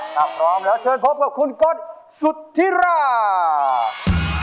ถ้าพร้อมแล้วเชิญพบกับคุณกฎสุธิราช